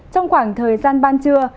trong khoảng thời gian ban trưa